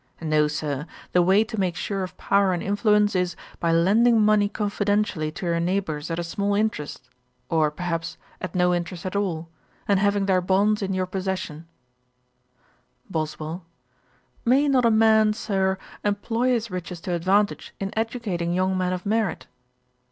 No, Sir, the way to make sure of power and influence is, by lending money confidentially to your neighbours at a small interest, or, perhaps, at no interest at all, and having their bonds in your possession.' BOSWELL. 'May not a man, Sir, employ his riches to advantage in educating young men of merit?'